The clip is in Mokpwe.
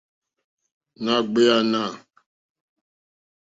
Nà ɡbèànà.